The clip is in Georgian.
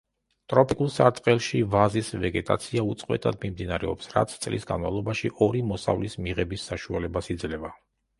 ტროპიკულ სარტყელში ვაზის ვეგეტაცია უწყვეტად მიმდინარეობს, რაც წლის განმავლობაში ორი მოსავლის მიღების საშუალებას იძლევა.